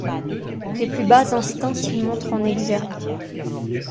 Les plus bas instincts s’y montrent en exergue.